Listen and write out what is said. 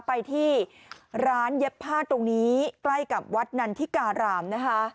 ไปที่ร้านเย็บผ้าตรงนี้ใกล้กับวัดนันทิการามนะคะ